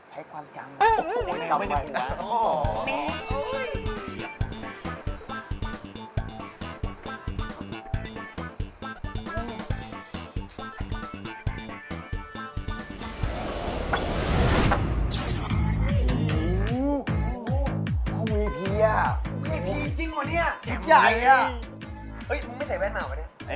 เฮ้ยมันไม่ใส่แบงก์เหม่าเปล่าเนี่ย